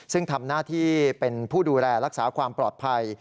ซึ่งทำหน้าที่เป็นผู้ดูแลรักษาความปลอดภัย